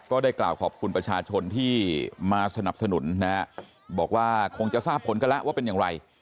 ก็ได้กล่าวขอบคุณประชาชนที่มาสนับสนุนนะฮะบอกว่าคงจะทราบผลกันแล้วว่าเป็นอย่างไร